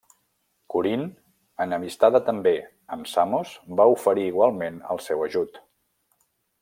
Corint, enemistada també amb Samos, va oferir igualment el seu ajut.